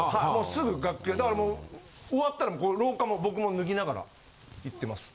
すぐ楽屋だからもう終わったら廊下も僕も脱ぎながら行ってます。